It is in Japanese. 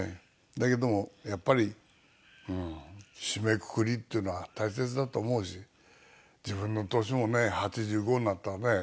だけどもやっぱり締めくくりっていうのは大切だと思うし自分の年もね８５になったらね